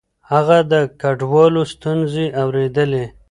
هغه د کډوالو ستونزې اورېدلې.